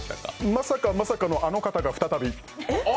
まさかまさかのあの方が再び。